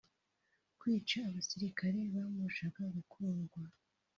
Kwica abasirikare bamurushaga gukundwa